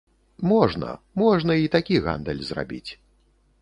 Можна, можна і такі гандаль зрабіць.